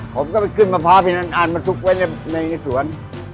ผมก็ไปขึ้นมาพาพี่นั้นอ่านมาทุกวันในสวน